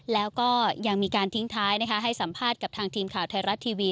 แล้วก็ยังมีการทิ้งท้ายนะคะให้สัมภาษณ์กับทางทีมข่าวไทยรัฐทีวี